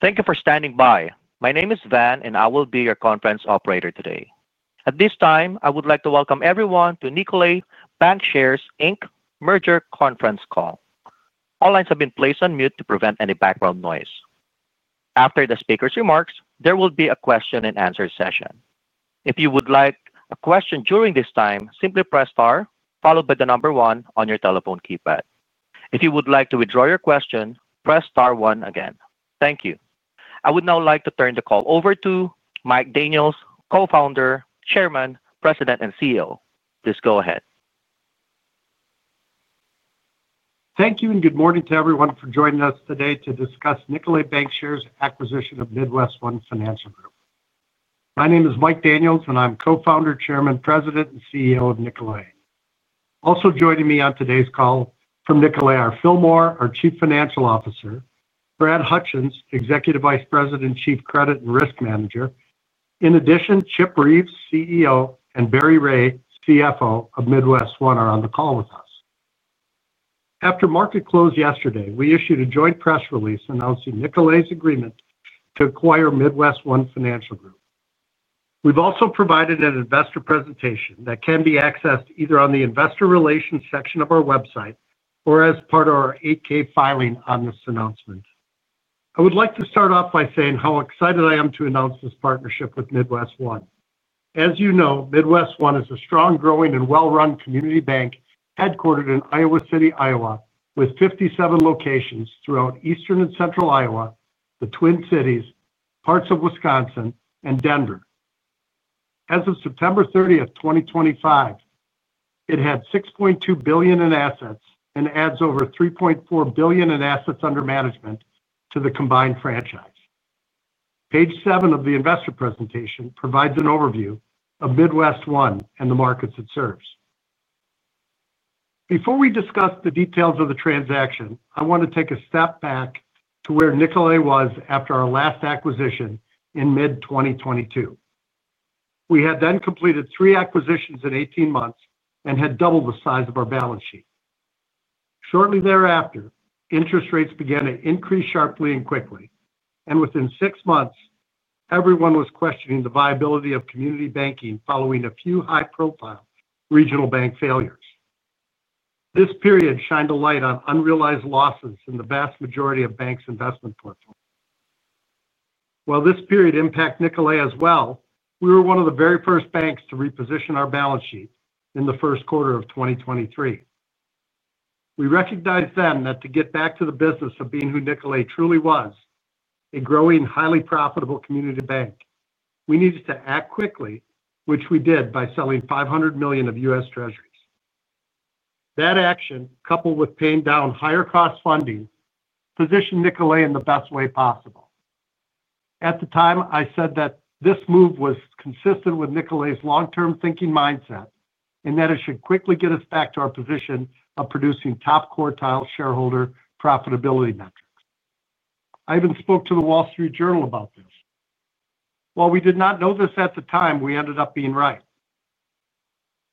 Thank you for standing by. My name is Van, and I will be your conference operator today. At this time, I would like to welcome everyone to the Nicolet Bankshares Inc. merger conference call. All lines have been placed on mute to prevent any background noise. After the speaker's remarks, there will be a question and answer session. If you would like to ask a question during this time, simply press star followed by the number one on your telephone keypad. If you would like to withdraw your question, press star one again. Thank you. I would now like to turn the call over to Michael Daniels, Co-founder, Chairman, President, and CEO. Please go ahead. Thank you and good morning to everyone for joining us today to discuss Nicolet Bankshares' acquisition of MidWestOne Financial Group. My name is Michael Daniels, and I'm Co-founder, Chairman, President, and CEO of Nicolet. Also joining me on today's call from Nicolet are Phil Moore, our Chief Financial Officer, and Brad Hutchins, Executive Vice President and Chief Credit and Risk Manager. In addition, Chip Reeves, CEO, and Barry Ray, CFO of MidWestOne, are on the call with us. After market closed yesterday, we issued a joint press release announcing Nicolet's agreement to acquire MidWestOne Financial Group. We've also provided an investor presentation that can be accessed either on the investor relations section of our website or as part of our 8K filing on this announcement. I would like to start off by saying how excited I am to announce this partnership with MidWestOne. As you know, MidWestOne is a strong, growing, and well-run community bank headquartered in Iowa City, Iowa, with 57 locations throughout Eastern and Central Iowa, the Twin Cities, parts of Wisconsin, and Denver. As of September 30th, 2025, it had $6.2 billion in assets and adds over $3.4 billion in assets under management to the combined franchise. Page seven of the investor presentation provides an overview of MidWestOne and the markets it serves. Before we discuss the details of the transaction, I want to take a step back to where Nicolet was after our last acquisition in mid-2022. We had then completed three acquisitions in 18 months and had doubled the size of our balance sheet. Shortly thereafter, interest rates began to increase sharply and quickly, and within six months, everyone was questioning the viability of community banking following a few high-profile regional bank failures. This period shined a light on unrealized losses in the vast majority of banks' investment portfolio. While this period impacted Nicolet as well, we were one of the very first banks to reposition our balance sheet in the first quarter of 2023. We recognized then that to get back to the business of being who Nicolet truly was, a growing, highly profitable community bank, we needed to act quickly, which we did by selling $500 million of U.S. Treasuries. That action, coupled with paying down higher cost funding, positioned Nicolet in the best way possible. At the time, I said that this move was consistent with Nicolet's long-term thinking mindset and that it should quickly get us back to our position of producing top quartile shareholder profitability metrics. I even spoke to The Wall Street Journal about this. While we did not know this at the time, we ended up being right.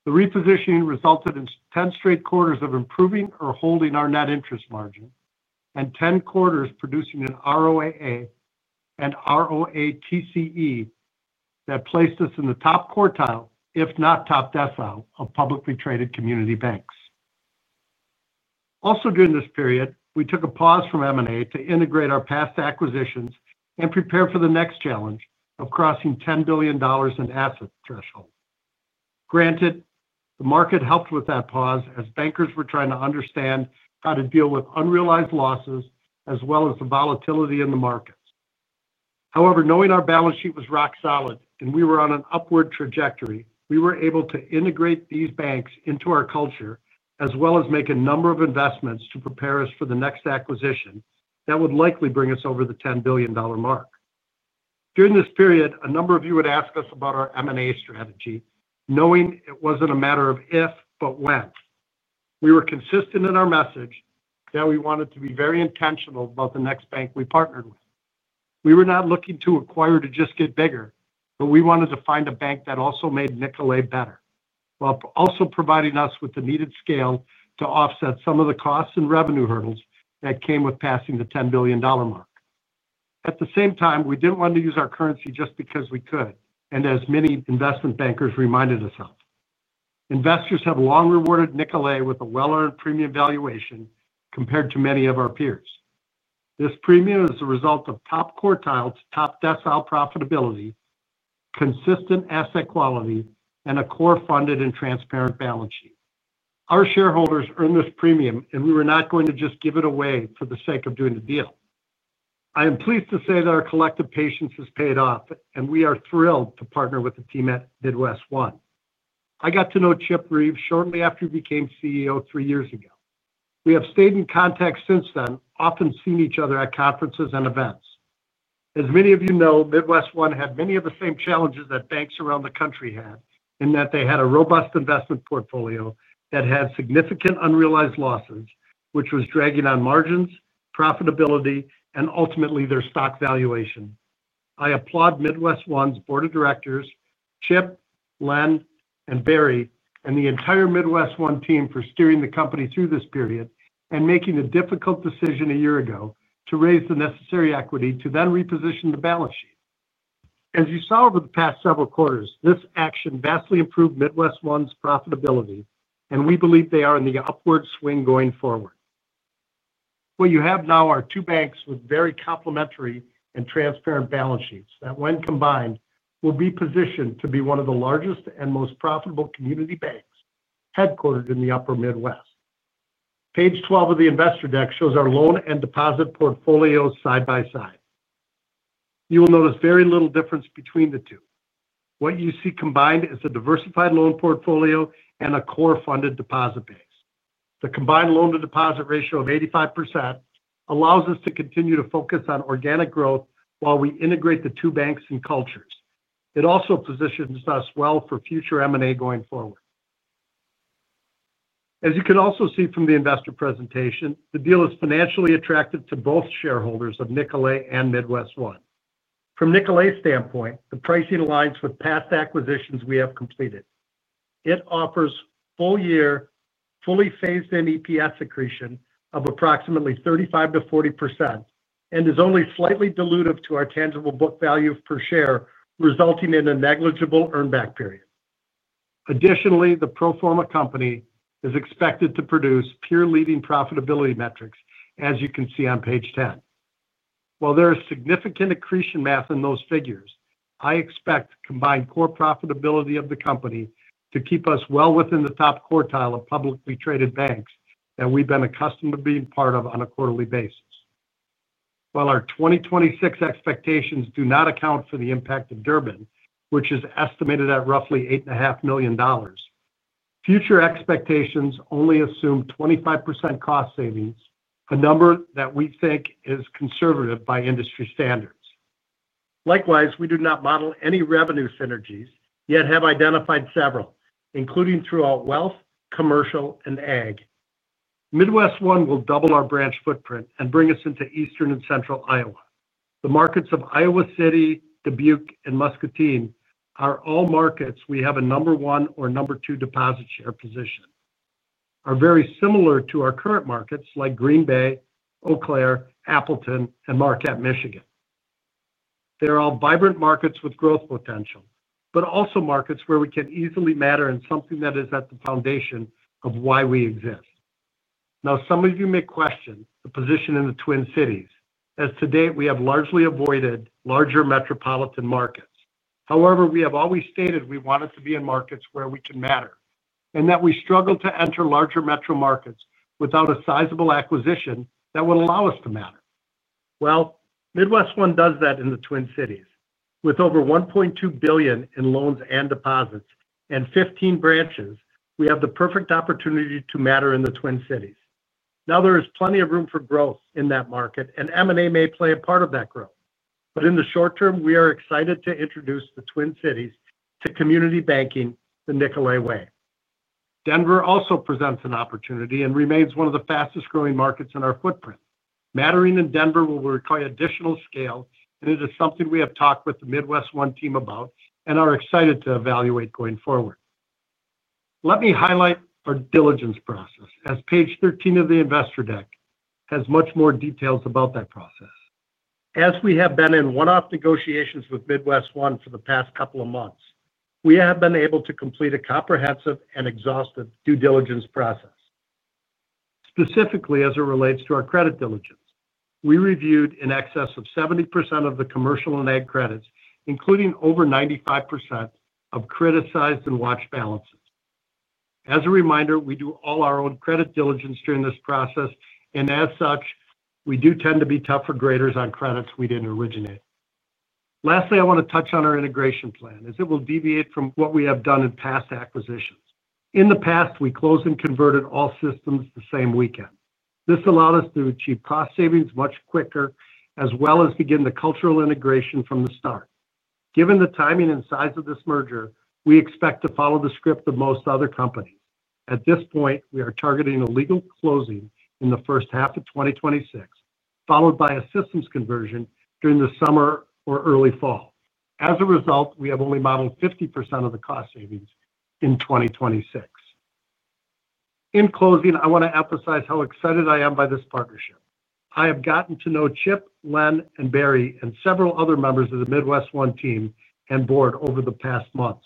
The repositioning resulted in 10 straight quarters of improving or holding our net interest margin and 10 quarters producing an ROAA and ROATCE that placed us in the top quartile, if not top decile, of publicly traded community banks. Also during this period, we took a pause from M&A to integrate our past acquisitions and prepare for the next challenge of crossing the $10 billion asset threshold. Granted, the market helped with that pause as bankers were trying to understand how to deal with unrealized losses as well as the volatility in the markets. However, knowing our balance sheet was rock solid and we were on an upward trajectory, we were able to integrate these banks into our culture as well as make a number of investments to prepare us for the next acquisition that would likely bring us over the $10 billion mark. During this period, a number of you would ask us about our M&A strategy, knowing it wasn't a matter of if, but when. We were consistent in our message that we wanted to be very intentional about the next bank we partnered with. We were not looking to acquire to just get bigger, but we wanted to find a bank that also made Nicolet better, while also providing us with the needed scale to offset some of the costs and revenue hurdles that came with passing the $10 billion mark. At the same time, we didn't want to use our currency just because we could, and as many investment bankers reminded us, investors have long rewarded Nicolet with a well-earned premium valuation compared to many of our peers. This premium is a result of top quartile to top decile profitability, consistent asset quality, and a core funded and transparent balance sheet. Our shareholders earned this premium, and we were not going to just give it away for the sake of doing a deal. I am pleased to say that our collective patience has paid off, and we are thrilled to partner with the team at MidWestOne Financial Group. I got to know Chip Reeves shortly after he became CEO three years ago. We have stayed in contact since then, often seeing each other at conferences and events. As many of you know, MidWestOne had many of the same challenges that banks around the country had in that they had a robust investment portfolio that had significant unrealized losses, which was dragging on margins, profitability, and ultimately their stock valuation. I applaud MidWestOne's Board of Directors, Chip, Len, and Barry, and the entire MidWestOne team for steering the company through this period and making a difficult decision a year ago to raise the necessary equity to then reposition the balance sheet. As you saw over the past several quarters, this action vastly improved MidWestOne's profitability, and we believe they are in the upward swing going forward. What you have now are two banks with very complementary and transparent balance sheets that when combined will be positioned to be one of the largest and most profitable community banks headquartered in the upper Midwest. Page 12 of the investor deck shows our loan and deposit portfolios side by side. You will notice very little difference between the two. What you see combined is a diversified loan portfolio and a core funded deposit base. The combined loan-to-deposit ratio of 85% allows us to continue to focus on organic growth while we integrate the two banks and cultures. It also positions us well for future M&A going forward. As you can also see from the investor presentation, the deal is financially attractive to both shareholders of Nicolet and MidWestOne. From Nicolet's standpoint, the pricing aligns with past acquisitions we have completed. It offers full-year, fully phased-in EPS accretion of approximately 35%-40% and is only slightly dilutive to our tangible book value per share, resulting in a negligible earn-back period. Additionally, the pro forma company is expected to produce peer-leading profitability metrics, as you can see on page 10. While there is significant accretion math in those figures, I expect combined core profitability of the company to keep us well within the top quartile of publicly traded banks that we've been accustomed to being part of on a quarterly basis. While our 2026 expectations do not account for the impact of Durbin, which is estimated at roughly $8.5 million, future expectations only assume 25% cost savings, a number that we think is conservative by industry standards. Likewise, we do not model any revenue synergies, yet have identified several, including throughout wealth, commercial, and agricultural banking. MidWestOne will double our branch footprint and bring us into Eastern and Central Iowa. The markets of Iowa City, Dubuque, and Muscatine are all markets where we have a number one or number two deposit share position. They are very similar to our current markets like Green Bay, Eau Claire, Appleton, and Marquette, Michigan. They're all vibrant markets with growth potential, but also markets where we can easily matter in something that is at the foundation of why we exist. Now, some of you may question the position in the Twin Cities, as to date we have largely avoided larger metropolitan markets. However, we have always stated we wanted to be in markets where we can matter and that we struggle to enter larger metro markets without a sizable acquisition that would allow us to matter. MidWestOne does that in the Twin Cities. With over $1.2 billion in loans and deposits and 15 branches, we have the perfect opportunity to matter in the Twin Cities. There is plenty of room for growth in that market, and M&A may play a part of that growth. In the short term, we are excited to introduce the Twin Cities to community banking the Nicolet way. Denver also presents an opportunity and remains one of the fastest growing markets in our footprint. Mattering in Denver will require additional scale, and it is something we have talked with the MidWestOne team about and are excited to evaluate going forward. Let me highlight our diligence process, as page 13 of the investor deck has much more details about that process. As we have been in one-off negotiations with MidWestOne for the past couple of months, we have been able to complete a comprehensive and exhaustive due diligence process. Specifically, as it relates to our credit diligence, we reviewed in excess of 70% of the commercial and ag credits, including over 95% of criticized and watched balances. As a reminder, we do all our own credit diligence during this process, and as such, we do tend to be tougher graders on credits we didn't originate. Lastly, I want to touch on our integration plan, as it will deviate from what we have done in past acquisitions. In the past, we closed and converted all systems the same weekend. This allowed us to achieve cost savings much quicker, as well as begin the cultural integration from the start. Given the timing and size of this merger, we expect to follow the script of most other companies. At this point, we are targeting a legal closing in the first half of 2026, followed by a systems conversion during the summer or early fall. As a result, we have only modeled 50% of the cost savings in 2026. In closing, I want to emphasize how excited I am by this partnership. I have gotten to know Chip, Len, and Barry, and several other members of the MidWestOne Financial Group team and board over the past months.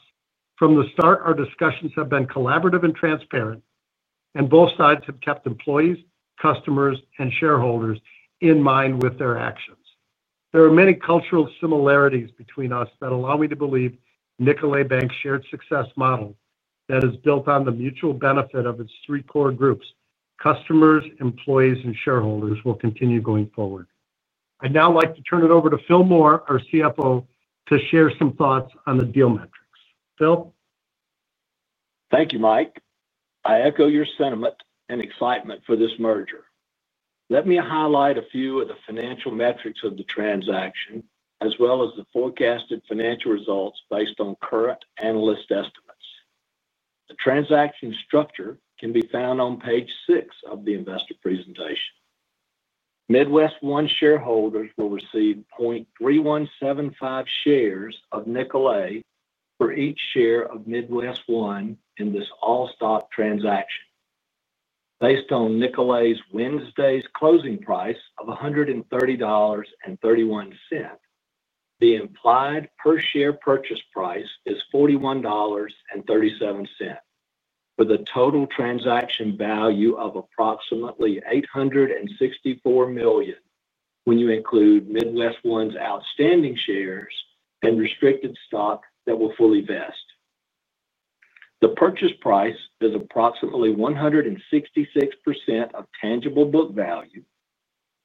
From the start, our discussions have been collaborative and transparent, and both sides have kept employees, customers, and shareholders in mind with their actions. There are many cultural similarities between us that allow me to believe Nicolet Bankshares' shared success model that is built on the mutual benefit of its three core groups: customers, employees, and shareholders will continue going forward. I'd now like to turn it over to Phil Moore, our CFO, to share some thoughts on the deal metrics. Phil? Thank you, Michael. I echo your sentiment and excitement for this merger. Let me highlight a few of the financial metrics of the transaction, as well as the forecasted financial results based on current analyst estimates. The transaction structure can be found on page six of the investor presentation. MidWestOne shareholders will receive 0.3175 shares of Nicolet for each share of MidWestOne in this all-stock transaction. Based on Nicolet's Wednesday closing price of $130.31, the implied per-share purchase price is $41.37 for the total transaction value of approximately $864 million when you include MidWestOne's outstanding shares and restricted stock that will fully vest. The purchase price is approximately 166% of tangible book value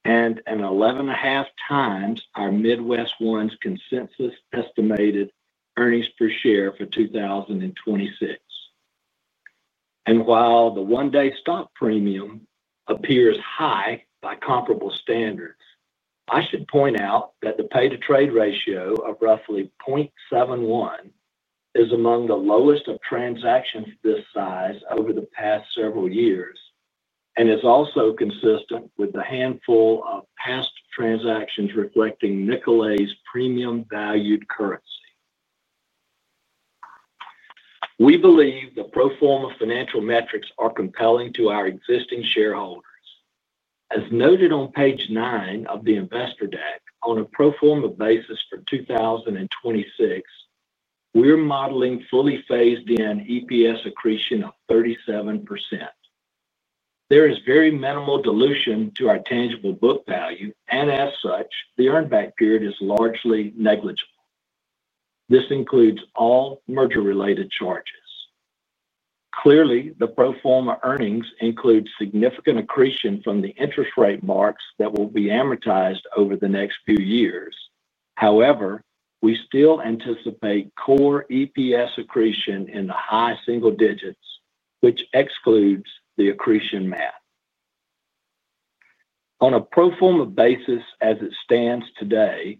and 11.5 times our MidWestOne's consensus estimated earnings per share for 2026. While the one-day stock premium appears high by comparable standards, I should point out that the pay-to-trade ratio of roughly 0.71 is among the lowest of transactions of this size over the past several years and is also consistent with the handful of past transactions reflecting Nicolet's premium-valued currency. We believe the pro forma financial metrics are compelling to our existing shareholders. As noted on page nine of the investor deck, on a pro forma basis for 2026, we're modeling fully phased-in EPS accretion of 37%. There is very minimal dilution to our tangible book value, and as such, the earn-back period is largely negligible. This includes all merger-related charges. Clearly, the pro forma earnings include significant accretion from the interest rate marks that will be amortized over the next few years. However, we still anticipate core EPS accretion in the high single digits, which excludes the accretion math. On a pro forma basis, as it stands today,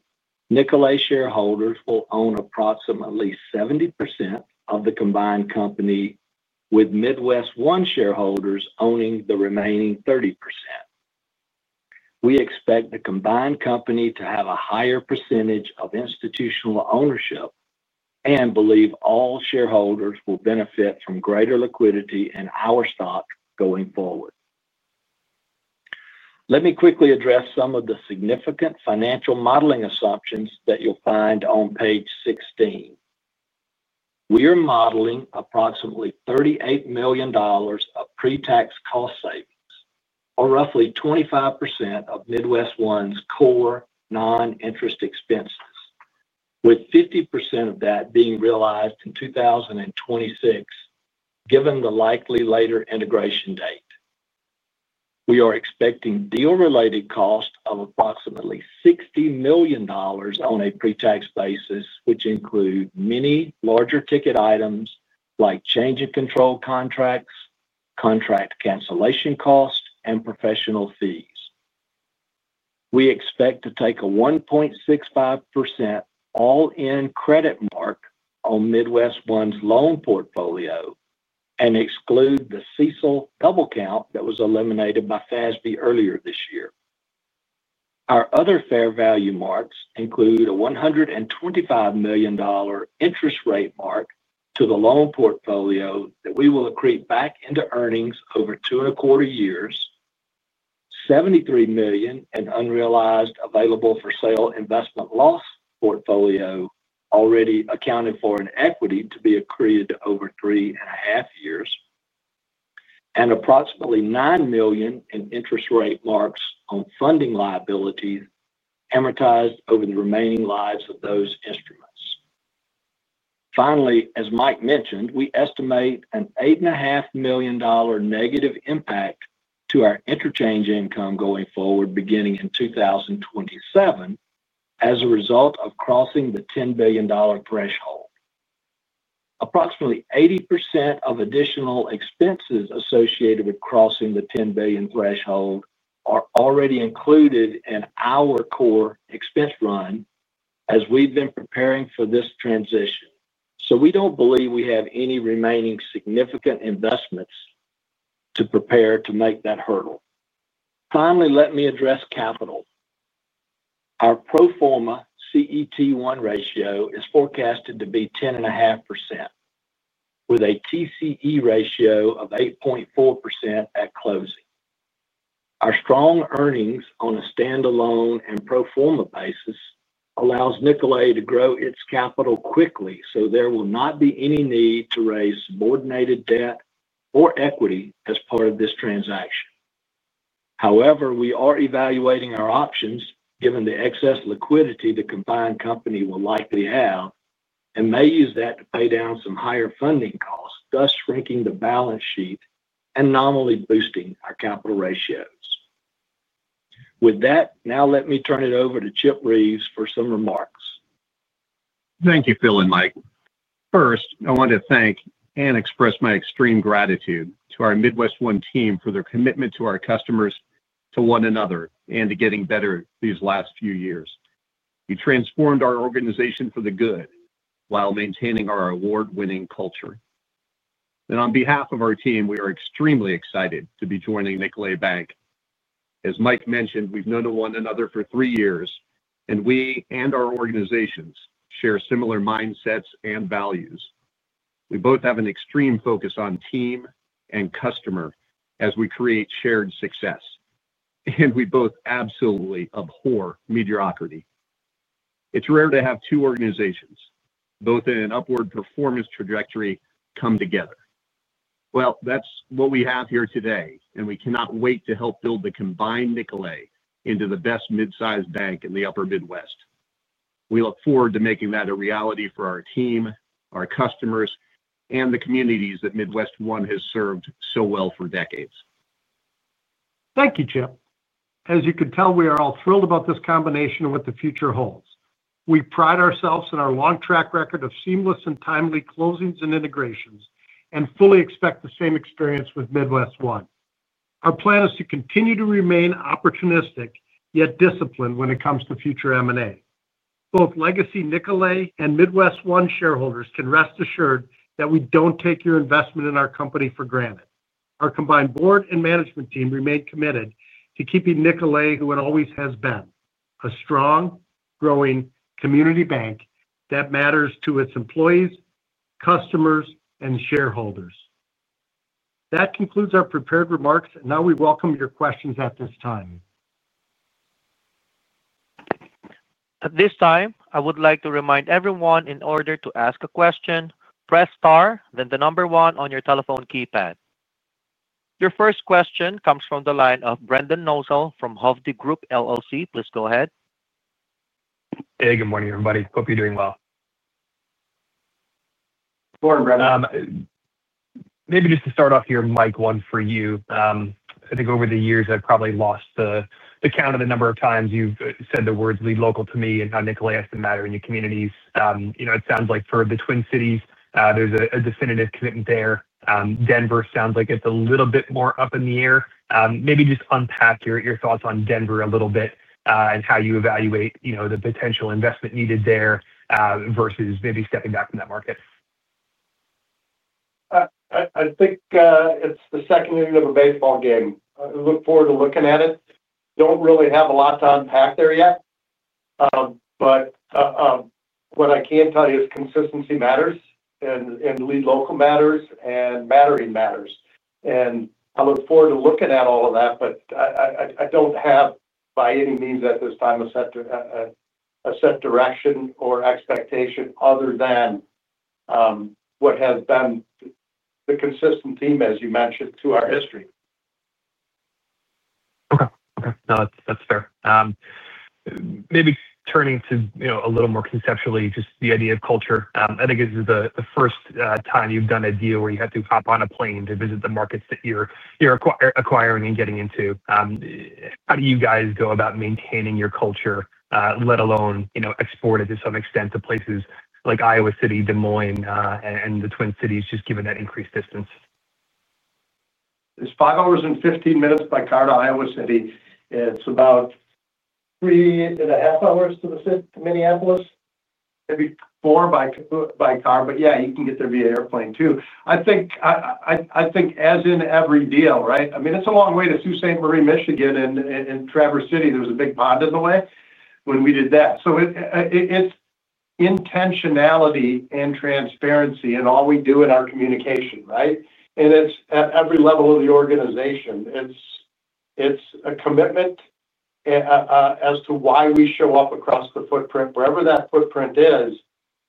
Nicolet shareholders will own approximately 70% of the combined company, with MidWestOne shareholders owning the remaining 30%. We expect the combined company to have a higher percentage of institutional ownership and believe all shareholders will benefit from greater liquidity in our stock going forward. Let me quickly address some of the significant financial modeling assumptions that you'll find on page 16. We are modeling approximately $38 million of pre-tax cost savings, or roughly 25% of MidWestOne's core non-interest expenses, with 50% of that being realized in 2026, given the likely later integration date. We are expecting deal-related costs of approximately $60 million on a pre-tax basis, which include many larger ticket items like change in control contracts, contract cancellation costs, and professional fees. We expect to take a 1.65% all-in credit mark on MidWestOne's loan portfolio and exclude the CECL double count that was eliminated by FASB earlier this year. Our other fair value marks include a $125 million interest rate mark to the loan portfolio that we will accrete back into earnings over two and a quarter years, $73 million in unrealized available for sale investment loss portfolio already accounted for in equity to be accreted over three and a half years, and approximately $9 million in interest rate marks on funding liabilities amortized over the remaining lives of those instruments. Finally, as Mike mentioned, we estimate an $8.5 million negative impact to our interchange income going forward beginning in 2027 as a result of crossing the $10 billion threshold. Approximately 80% of additional expenses associated with crossing the $10 billion threshold are already included in our core expense run as we've been preparing for this transition. We don't believe we have any remaining significant investments to prepare to make that hurdle. Finally, let me address capital. Our pro forma CET1 ratio is forecasted to be 10.5%, with a TCE ratio of 8.4% at closing. Our strong earnings on a standalone and pro forma basis allow Nicolet to grow its capital quickly, so there will not be any need to raise subordinated debt or equity as part of this transaction. However, we are evaluating our options given the excess liquidity the combined company will likely have and may use that to pay down some higher funding costs, thus shrinking the balance sheet and nominally boosting our capital ratios. With that, now let me turn it over to Chip Reeves for some remarks. Thank you, Phil and Mike. First, I want to thank and express my extreme gratitude to our MidWestOne team for their commitment to our customers, to one another, and to getting better these last few years. You transformed our organization for the good while maintaining our award-winning culture. On behalf of our team, we are extremely excited to be joining Nicolet Bankshares Inc. As Mike mentioned, we've known one another for three years, and we and our organizations share similar mindsets and values. We both have an extreme focus on team and customer as we create shared success, and we both absolutely abhor mediocrity. It is rare to have two organizations, both in an upward performance trajectory, come together. That is what we have here today, and we cannot wait to help build the combined Nicolet into the best mid-sized bank in the upper Midwest. We look forward to making that a reality for our team, our customers, and the communities that MidWestOne Financial Group has served so well for decades. Thank you, Chip. As you can tell, we are all thrilled about this combination and what the future holds. We pride ourselves on our long track record of seamless and timely closings and integrations, and fully expect the same experience with MidWestOne. Our plan is to continue to remain opportunistic, yet disciplined when it comes to future M&A. Both legacy Nicolet and MidWestOne shareholders can rest assured that we don't take your investment in our company for granted. Our combined board and management team remain committed to keeping Nicolet who it always has been, a strong, growing community bank that matters to its employees, customers, and shareholders. That concludes our prepared remarks, and now we welcome your questions at this time. At this time, I would like to remind everyone in order to ask a question, press star, then the number one on your telephone keypad. Your first question comes from the line of Brendan Nosal from Hovde Group. Please go ahead. Good morning, everybody. Hope you're doing well. Morning, Brendan. Maybe just to start off here, Mike, one for you. I think over the years, I've probably lost the count of the number of times you've said the words "lead local" to me and how Nicolet has to matter in your communities. It sounds like for the Twin Cities, there's a definitive commitment there. Denver sounds like it's a little bit more up in the air. Maybe just unpack your thoughts on Denver a little bit and how you evaluate the potential investment needed there versus maybe stepping back from that market. I think it's the second year you have a baseball game. I look forward to looking at it. Don't really have a lot to unpack there yet. What I can tell you is consistency matters, lead local matters, and mattering matters. I look forward to looking at all of that, but I don't have by any means at this time a set direction or expectation other than what has been the consistent theme, as you mentioned, through our history. Okay. No, that's fair. Maybe turning to a little more conceptually, just the idea of culture. I think this is the first time you've done a deal where you had to hop on a plane to visit the markets that you're acquiring and getting into. How do you guys go about maintaining your culture, let alone export it to some extent to places like Iowa City, Des Moines, and the Twin Cities, just given that increased distance? It's five hours and 15 minutes by car to Iowa City. It's about three and a half hours to the city to Minneapolis, maybe four by car, but you can get there via airplane too. I think as in every deal, right? I mean, it's a long way to Sault Ste. Marie, Michigan, and Traverse City. There was a big pond in the way when we did that. It's intentionality and transparency in all we do in our communication, right? It's at every level of the organization. It's a commitment as to why we show up across the footprint, wherever that footprint is,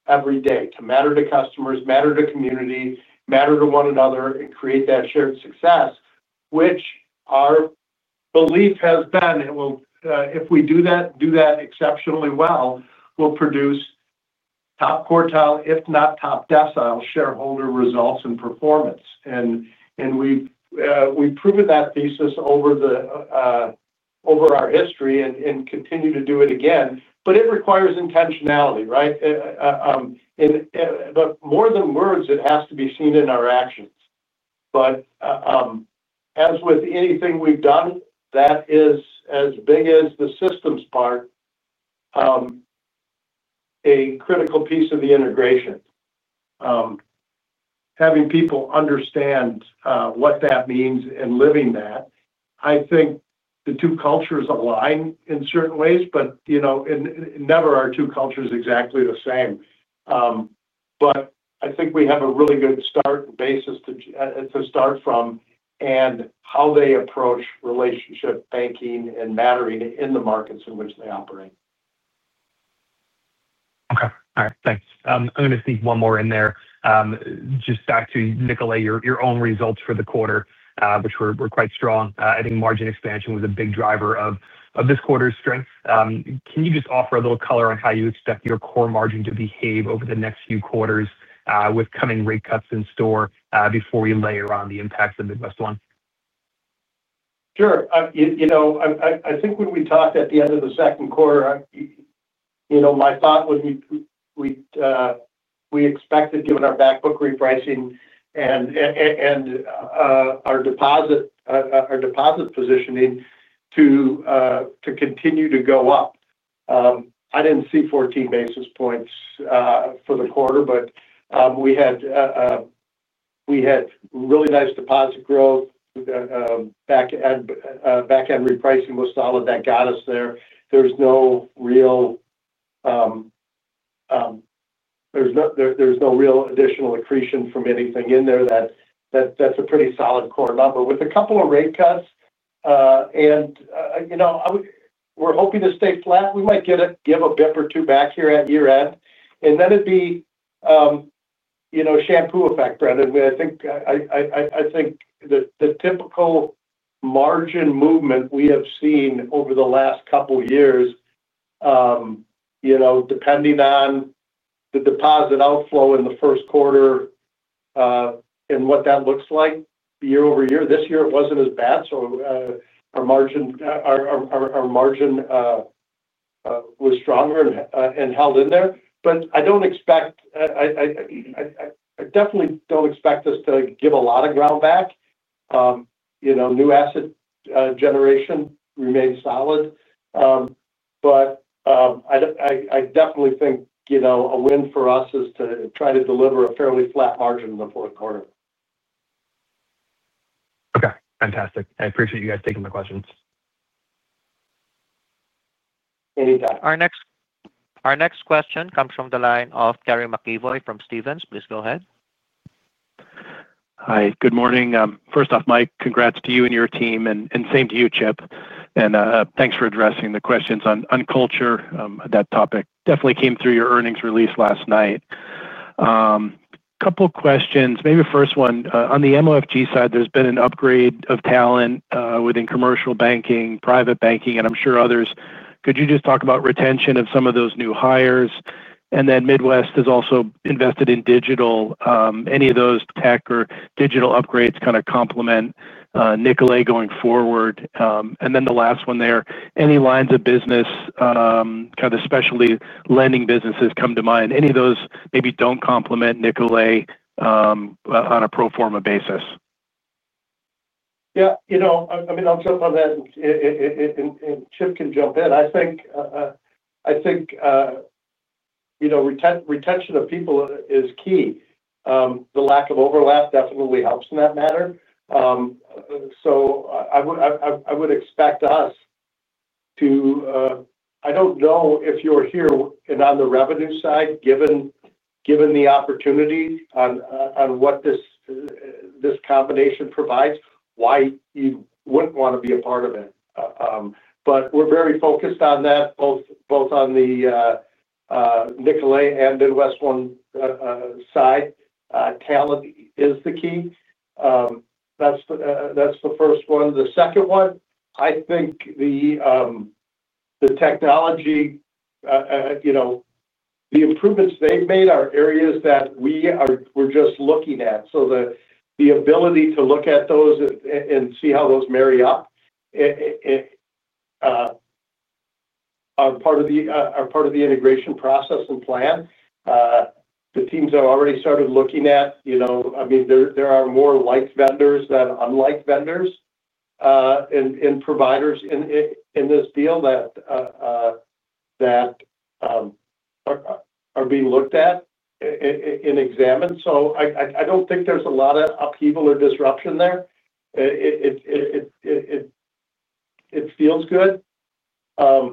every day to matter to customers, matter to community, matter to one another, and create that shared success, which our belief has been. If we do that, do that exceptionally well, we'll produce top quartile, if not top decile, shareholder results and performance. We've proven that thesis over our history and continue to do it again. It requires intentionality, right? More than words, it has to be seen in our actions. As with anything we've done that is as big as the systems part, a critical piece of the integration. Having people understand what that means and living that, I think the two cultures align in certain ways, but you know never are two cultures exactly the same. I think we have a really good start and basis to start from and how they approach relationship banking and mattering in the markets in which they operate. Okay. All right. Thanks. I'm going to sneak one more in there. Just back to Nicolet, your own results for the quarter, which were quite strong. I think margin expansion was a big driver of this quarter's strength. Can you just offer a little color on how you expect your core margin to behave over the next few quarters with coming rate cuts in store before you layer on the impacts of MidWestOne? Sure. I think when we talked at the end of the second quarter, my thought was we expected, given our backbook repricing and our deposit positioning, to continue to go up. I did not see 14 basis points for the quarter, but we had really nice deposit growth. Backend repricing was solid. That got us there. There is no real additional accretion from anything in there. That is a pretty solid core number. With a couple of rate cuts, we are hoping to stay flat. We might give a bip or two back here at year-end. It would be a shampoo effect, Brendan. I think the typical margin movement we have seen over the last couple of years depends on the deposit outflow in the first quarter and what that looks like year over year. This year, it was not as bad, so our margin was stronger and held in there. I do not expect, I definitely do not expect us to give a lot of ground back. New asset generation remains solid. I definitely think a win for us is to try to deliver a fairly flat margin in the fourth quarter. Okay. Fantastic. I appreciate you guys taking the questions. Anytime. Our next question comes from the line of Gordy McKeown from Stephens. Please go ahead. Hi. Good morning. First off, Mike, congrats to you and your team, and same to you, Chip. Thanks for addressing the questions on culture. That topic definitely came through your earnings release last night. A couple of questions. Maybe the first one. On the MidWestOne Financial Group side, there's been an upgrade of talent within commercial banking, private banking, and I'm sure others. Could you just talk about retention of some of those new hires? MidWestOne Financial Group has also invested in digital. Any of those tech or digital upgrades kind of complement Nicolet Bankshares going forward? The last one there. Any lines of business, kind of especially lending businesses, come to mind? Any of those maybe don't complement Nicolet Bankshares on a pro forma basis? Yeah. You know, I'll jump on that, and Chip can jump in. I think retention of people is key. The lack of overlap definitely helps in that matter. I would expect us to, I don't know if you're here and on the revenue side, given the opportunity on what this combination provides, why you wouldn't want to be a part of it. We're very focused on that, both on the Nicolet and MidWestOne side. Talent is the key. That's the first one. The second one, I think the technology, the improvements they've made are areas that we were just looking at. The ability to look at those and see how those marry up are part of the integration process and plan. The teams have already started looking at, there are more like vendors than unlike vendors and providers in this deal that are being looked at and examined. I don't think there's a lot of upheaval or disruption there. It feels good. What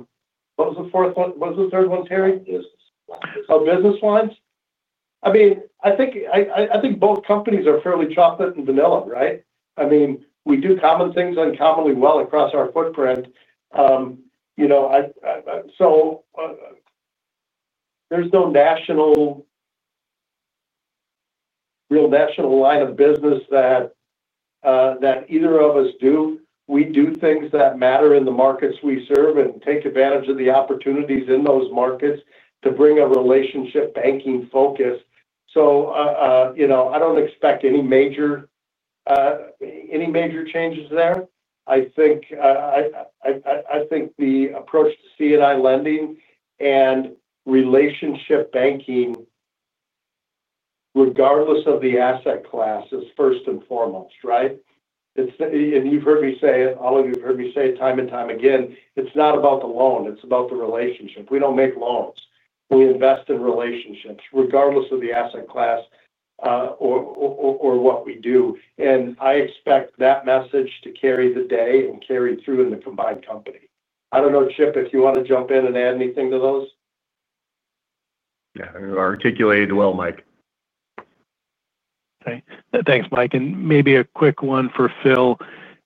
was the fourth one? What was the third one, Terry? Business lines. Oh, business lines. I mean, I think both companies are fairly chocolate and vanilla, right? I mean, we do common things uncommonly well across our footprint. There's no real national line of business that either of us do. We do things that matter in the markets we serve and take advantage of the opportunities in those markets to bring a relationship banking focus. I don't expect any major changes there. I think the approach to C&I lending and relationship banking, regardless of the asset class, is first and foremost, right? You've heard me say it, all of you have heard me say it time and time again, it's not about the loan. It's about the relationship. We don't make loans. We invest in relationships, regardless of the asset class or what we do. I expect that message to carry the day and carry through in the combined company. I don't know, Chip, if you want to jump in and add anything to those. Yeah, I think it articulated well, Mike. Thanks, Mike. Maybe a quick one for Phil.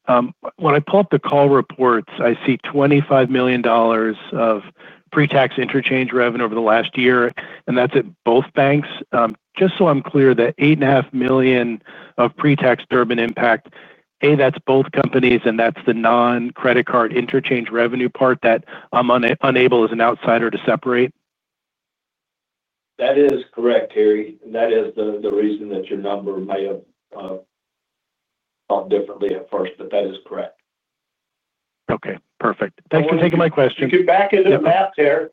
When I pull up the call reports, I see $25 million of pre-tax interchange revenue over the last year, and that's at both banks. Just so I'm clear, the $8.5 million of pre-tax Durbin impact, A, that's both companies, and that's the non-credit card interchange revenue part that I'm unable, as an outsider, to separate? That is correct, Terry. That is the reason that your number may have thought differently at first, but that is correct. Okay. Perfect. Thanks for taking my questions. Back into the math chair.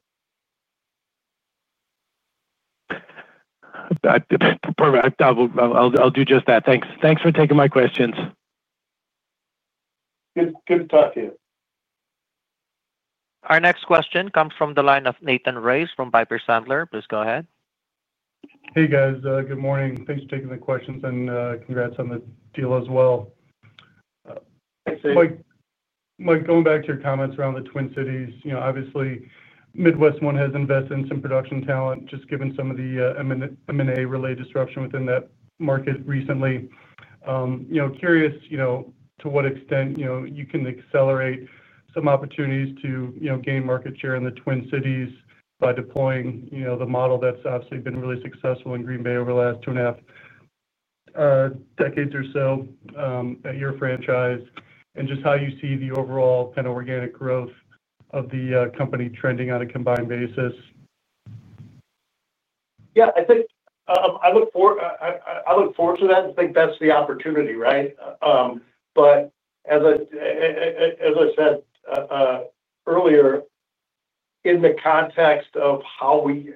Perfect. I'll do just that. Thanks. Thanks for taking my questions. Good to talk to you. Our next question comes from the line of Nathan Race from Piper Sandler. Please go ahead. Hey, guys. Good morning. Thanks for taking the questions, and congrats on the deal as well. Hey, Sid. Mike, going back to your comments around the Twin Cities, obviously, MidWestOne Financial Group has invested in some production talent, just given some of the M&A-related disruption within that market recently. Curious to what extent you can accelerate some opportunities to gain market share in the Twin Cities by deploying the model that's obviously been really successful in Green Bay over the last two and a half decades or so at your franchise, and just how you see the overall kind of organic growth of the company trending on a combined basis. Yeah, I think I look forward to that. I think that's the opportunity, right? As I said earlier, in the context of how we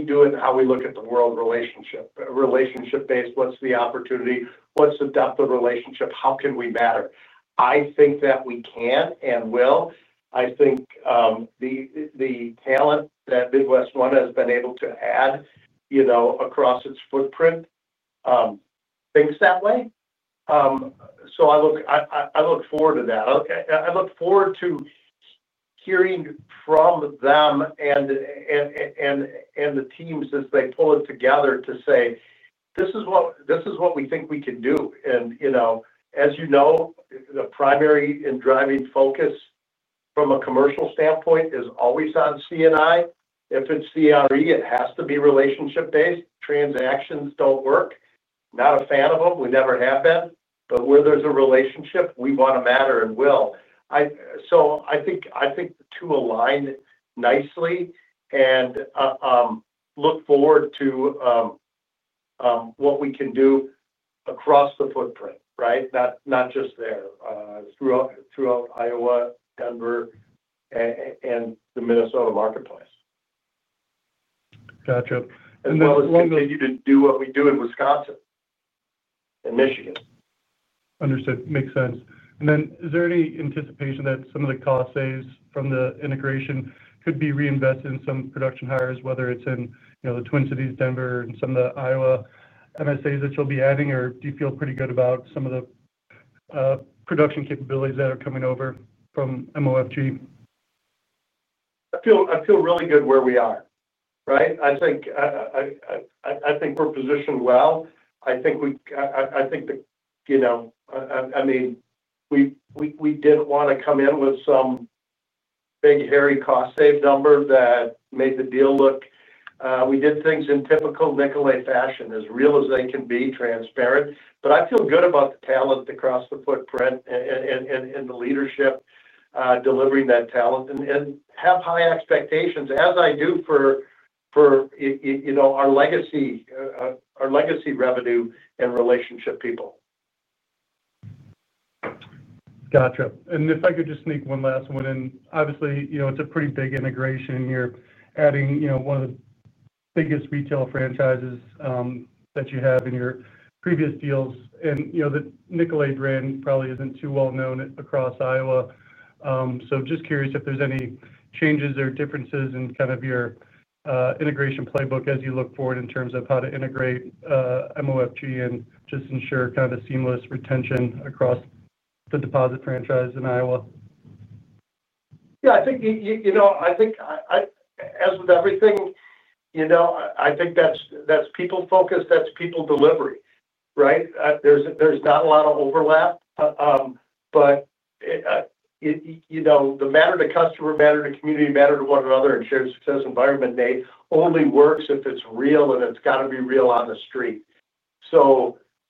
do it and how we look at the world relationship-based, what's the opportunity? What's the depth of relationship? How can we matter? I think that we can and will. I think the talent that MidWestOne Financial Group has been able to add, you know, across its footprint thinks that way. I look forward to that. I look forward to hearing from them and the teams as they pull it together to say, "This is what we think we can do." You know, as you know, the primary and driving focus from a commercial standpoint is always on C&I. If it's CRE, it has to be relationship-based. Transactions don't work. Not a fan of them. We never have been. Where there's a relationship, we want to matter and will. I think the two align nicely and look forward to what we can do across the footprint, right? Not just there, throughout Iowa, Denver, and the Minnesota marketplace. Gotcha. We will continue to do what we do in Wisconsin and Michigan. Understood. Makes sense. Is there any anticipation that some of the cost saves from the integration could be reinvested in some production hires, whether it's in the Twin Cities, Denver, and some of the Iowa MSAs that you'll be adding, or do you feel pretty good about some of the production capabilities that are coming over from MidWestOne Financial Group? I feel really good where we are. I think we're positioned well. We didn't want to come in with some big, hairy cost-save number that made the deal look like we did things in typical Nicolet fashion, as real as they can be, transparent. I feel good about the talent across the footprint and the leadership delivering that talent and have high expectations, as I do for our legacy revenue and relationship people. Gotcha. If I could just sneak one last one in. Obviously, it's a pretty big integration here, adding one of the biggest retail franchises that you have in your previous deals. You know that the Nicolet brand probably isn't too well known across Iowa. I'm just curious if there's any changes or differences in your integration playbook as you look forward in terms of how to integrate MidWestOne Financial Group and just ensure seamless retention across the deposit franchise in Iowa. I think as with everything, I think that's people-focused, that's people-delivery, right? There's not a lot of overlap. The matter-to-customer, matter-to-community, matter-to-one-another, and shared success environment only work if it's real, and it's got to be real on the street.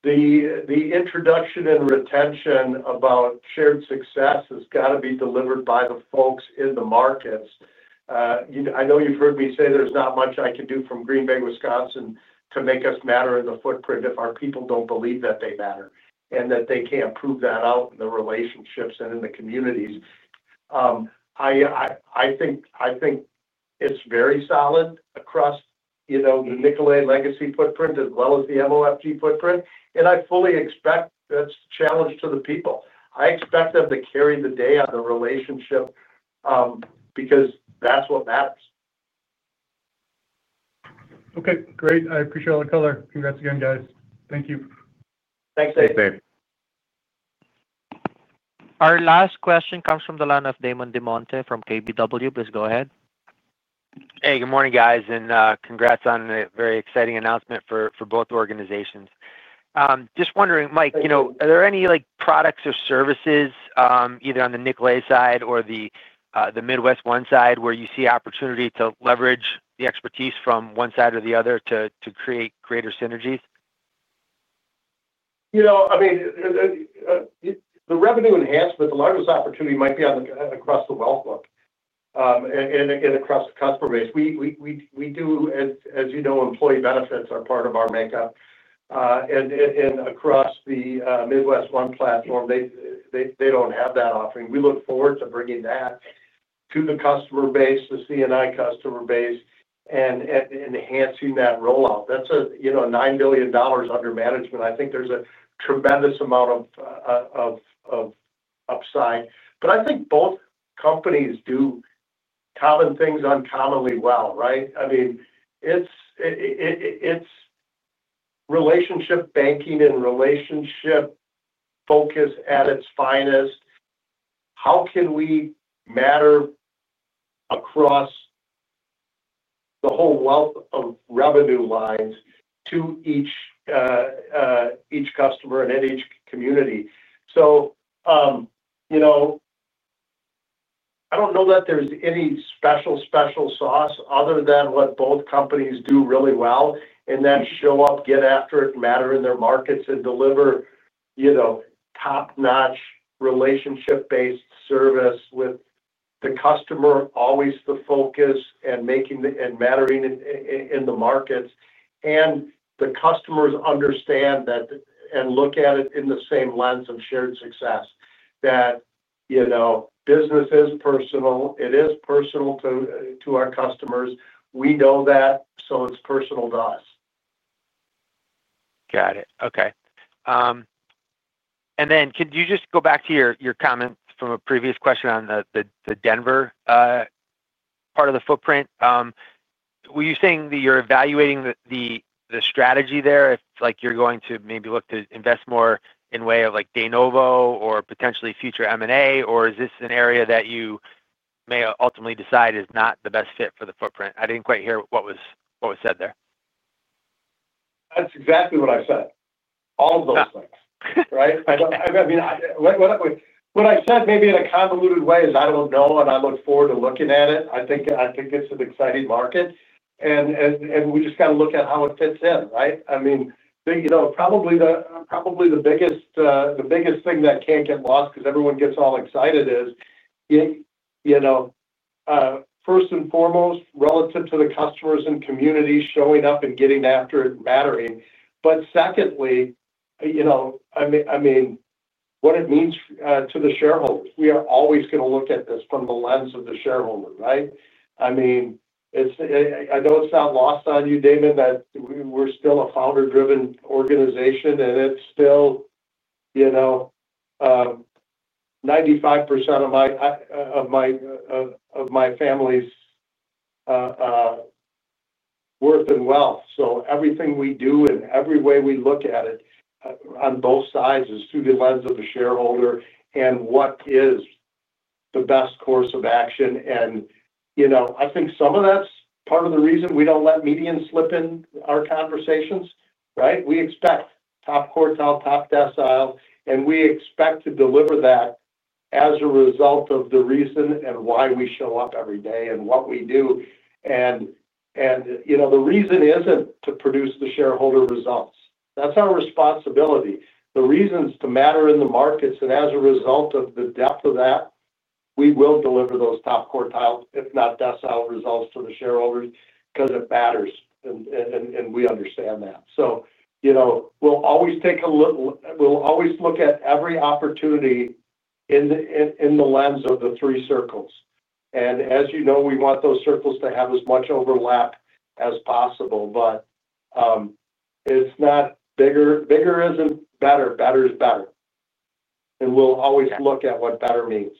The introduction and retention about shared success has got to be delivered by the folks in the markets. I know you've heard me say there's not much I can do from Green Bay, Wisconsin, to make us matter in the footprint if our people don't believe that they matter and that they can't prove that out in the relationships and in the communities. I think it's very solid across the Nicolet legacy footprint as well as the MidWestOne Financial Group footprint. I fully expect that's the challenge to the people. I expect them to carry the day on the relationship because that's what matters. Okay. Great. I appreciate all the color. Congrats again, guys. Thank you. Thanks to you too. Our last question comes from the line of Damon Demonte from KBW. Please go ahead. Hey, good morning, guys. Congrats on a very exciting announcement for both organizations. Just wondering, Mike, are there any products or services, either on the Nicolet side or the MidWestOne side, where you see opportunity to leverage the expertise from one side or the other to create greater synergies? I mean, the revenue enhancement, the largest opportunity might be across the wealth book and across the customer base. We do, as you know, employee benefits are part of our makeup. Across the MidWestOne Financial Group platform, they don't have that offering. We look forward to bringing that to the customer base, the C&I customer base, and enhancing that rollout. That's a $9 billion under management. I think there's a tremendous amount of upside. I think both companies do common things uncommonly well, right? I mean, it's relationship banking and relationship focus at its finest. How can we matter across the whole wealth of revenue lines to each customer and in each community? I don't know that there's any special, special sauce other than what both companies do really well, and that's show up, get after it, matter in their markets, and deliver top-notch relationship-based service with the customer always the focus and mattering in the markets. The customers understand that and look at it in the same lens of shared success, that business is personal. It is personal to our customers. We know that. It's personal to us. Got it. Okay. Could you just go back to your comment from a previous question on the Denver part of the footprint? Were you saying that you're evaluating the strategy there? If you're going to maybe look to invest more in a way of like De Novo or potentially future M&A, or is this an area that you may ultimately decide is not the best fit for the footprint? I didn't quite hear what was said there. That's exactly what I said. All of those things, right? What I said maybe in a convoluted way is I don't know, and I look forward to looking at it. I think it's an exciting market. We just got to look at how it fits in, right? Probably the biggest thing that can't get lost because everyone gets all excited is, first and foremost, relative to the customers and community showing up and getting after it and mattering. Secondly, what it means to the shareholders. We are always going to look at this from the lens of the shareholder, right? I know it's not lost on you, Damon, that we're still a founder-driven organization, and it's still 95% of my family's worth and wealth. Everything we do and every way we look at it on both sides is through the lens of the shareholder and what is the best course of action. I think some of that's part of the reason we don't let median slip in our conversations, right? We expect top quartile, top decile, and we expect to deliver that as a result of the reason and why we show up every day and what we do. The reason isn't to produce the shareholder results. That's our responsibility. The reason is to matter in the markets. As a result of the depth of that, we will deliver those top quartile, if not decile, results to the shareholders because it matters, and we understand that. We'll always look at every opportunity in the lens of the three circles. As you know, we want those circles to have as much overlap as possible. It's not bigger. Bigger isn't better. Better is better. We'll always look at what better means.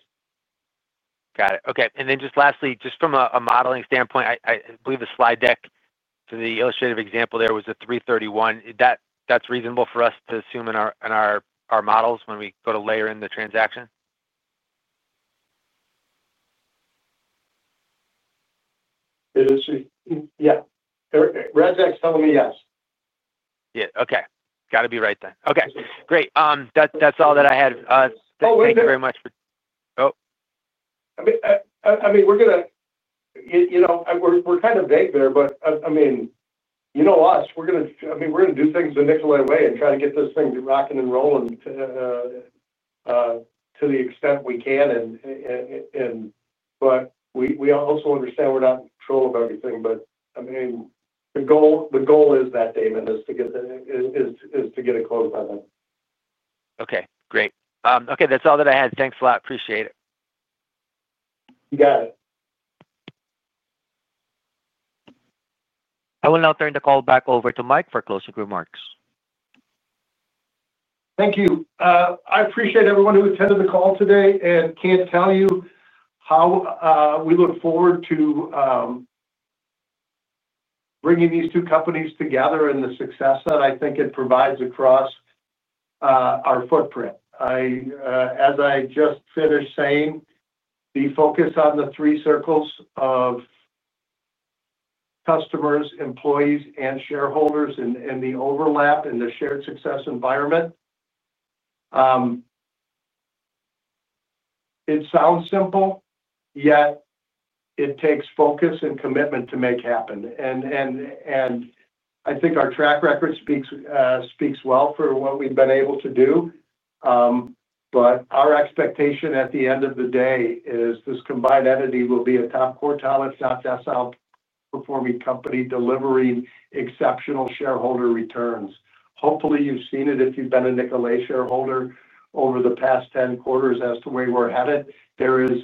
Got it. Okay. Lastly, just from a modeling standpoint, I believe the slide deck for the illustrative example there was a 3.31. That's reasonable for us to assume in our models when we go to layer in the transaction? Yeah, Razak's telling me yes. Okay, got to be right. Great. That's all that I had. Thank you very much. We're kind of vague there, but I mean, you know us. We're going to do things the Nicolet way and try to get this thing rocking and rolling to the extent we can. We also understand we're not in control of everything. The goal is that, Damon, is to get it closed by then. Okay. Great. Okay, that's all that I had. Thanks a lot. Appreciate it. You got it. I will now turn the call back over to Michael Daniels for closing remarks. Thank you. I appreciate everyone who attended the call today and can't tell you how we look forward to bringing these two companies together and the success that I think it provides across our footprint. As I just finished saying, the focus on the three circles of customers, employees, and shareholders, and the overlap in the shared success environment. It sounds simple, yet it takes focus and commitment to make happen. I think our track record speaks well for what we've been able to do. Our expectation at the end of the day is this combined entity will be a top quartile, if not decile, performing company delivering exceptional shareholder returns. Hopefully, you've seen it if you've been a Nicolet shareholder over the past 10 quarters as to where we're headed. There is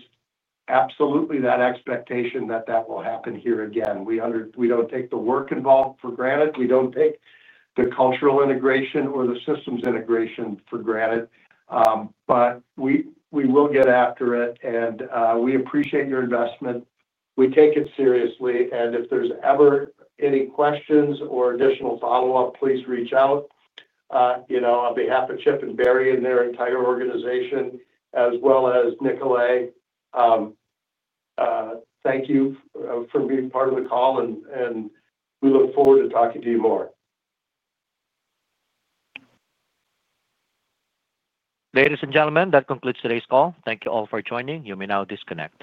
absolutely that expectation that that will happen here again. We don't take the work involved for granted. We don't take the cultural integration or the systems integration for granted. We will get after it. We appreciate your investment. We take it seriously. If there's ever any questions or additional follow-up, please reach out. On behalf of Chip and Barry and their entire organization, as well as Nicolet, thank you for being part of the call. We look forward to talking to you more. Ladies and gentlemen, that concludes today's call. Thank you all for joining. You may now disconnect.